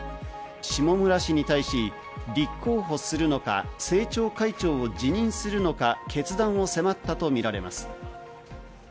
下村氏に対し、立候補するのか政調会長を辞任するのか決断を迫ったとみられます。